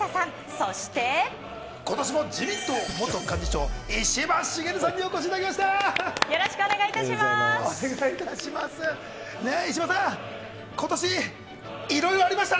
そして今年も自民党元幹事長石破茂さんにお越しいただきました。